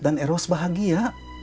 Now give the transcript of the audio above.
dan eros bahagia